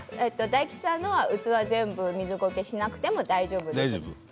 大吉さんの器は横長なので全部水ゴケしなくても大丈夫です。